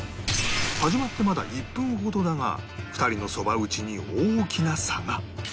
始まってまだ１分ほどだが２人のそば打ちに大きな差が